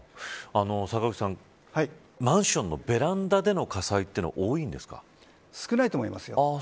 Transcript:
坂口さん、マンションのベランダでの火災というのは少ないと思いますよ。